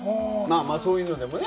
そういうのでもね。